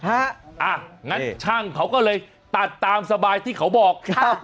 อย่างนั้นช่างเขาก็เลยตัดตามสบายที่เขาบอก